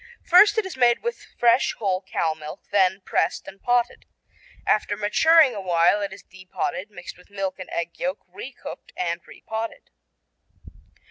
First it is made with fresh whole cow milk, then pressed and potted. After maturing a while it is de potted, mixed with milk and egg yolk, re cooked and re potted.